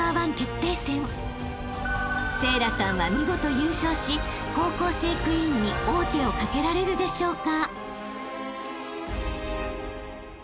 ［聖蘭さんは見事優勝し高校生クイーンに王手をかけられるでしょうか］